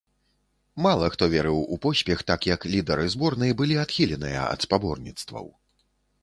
Мала хто верыў у поспех, так як лідары зборнай былі адхіленыя ад спаборніцтваў.